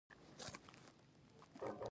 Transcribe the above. قیر لرونکي مواد په دوه ډوله دي